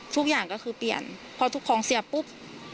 ทุกอย่างก็คือเปลี่ยนพอทุกของเสียปุ๊บ